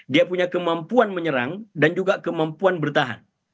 dia punya kemampuan menyerang dan juga kemampuan bertahan